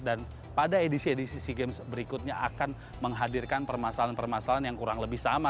dan pada edisi edisi si games berikutnya akan menghadirkan permasalahan permasalahan yang kurang lebih sama